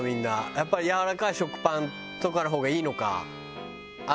やっぱりやわらかい食パンとかの方がいいのか。